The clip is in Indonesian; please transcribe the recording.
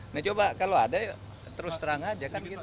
nah coba kalau ada terus terang aja kan